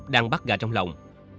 đang bắt gà trong lòng